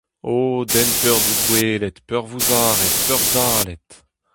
O den peurdiboellet, peurvouzaret, peurdallet !